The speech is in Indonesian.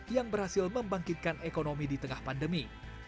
yang berhasil membangkitkan ekonomi di tengah pandemi